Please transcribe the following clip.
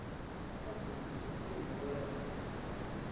Nurar aṭas n tewsatin n wuraren.